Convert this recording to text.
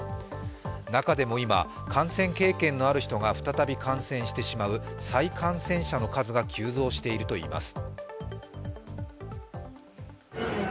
中でも今、感染経験のある人が再び感染してしまう再感染者の数が急増しているといいいます。